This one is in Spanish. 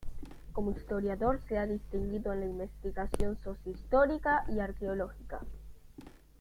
Como historiador se ha distinguido en la investigación socio-histórica y arqueológica.